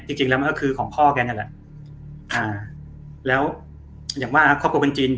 จริงแล้วมันก็คือของพ่อแกนั่นแหละอ่าแล้วอย่างว่าครอบครัวเป็นจิน